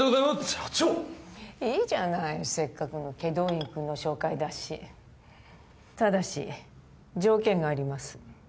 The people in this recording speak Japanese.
社長いいじゃないせっかくの祁答院くんの紹介だしただし条件があります